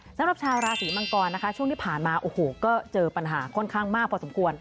สำหรับชาวราศีมังกรนะคะช่วงที่ผ่านมาโอ้โหก็เจอปัญหาค่อนข้างมากพอสมควร